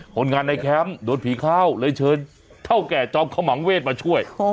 คนงานในแคมป์โดนผีเข้าเลยเชิญเท่าแก่จอมขมังเวทมาช่วย